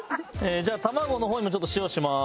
じゃあ卵の方にもちょっと塩します。